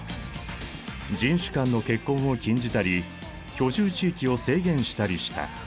人種間の結婚を禁じたり居住地域を制限したりした。